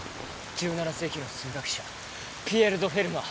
１７世紀の数学者ピエール・ド・フェルマー